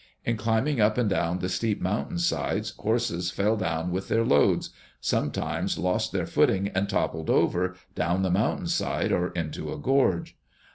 In climbing up and down the steep mountain sides, horses fell down with their loads — sometimes lost their footing and toppled over, down the mountain side or into a gorge.